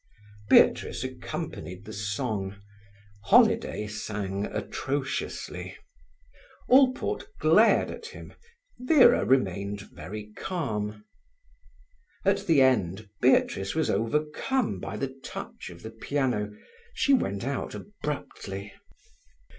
Beatrice accompanied the song. Holiday sang atrociously. Allport glared at him. Vera remained very calm. At the end Beatrice was overcome by the touch of the piano. She went out abruptly.